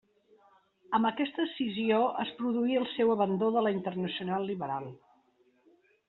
Amb aquesta escissió es produí el seu abandó de la Internacional Liberal.